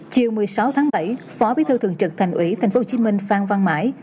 chiều một mươi sáu tháng bảy phó bí thư thường trực thành ủy tp hcm phan văn mãi